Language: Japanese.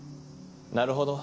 なるほど。